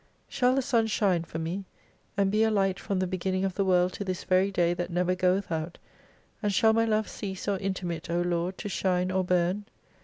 Shall the sun shine for me ; and be a light from the beginning of the world to this very day that never goeth out, and shall my love cease or intermit, O Lord, to shine or burn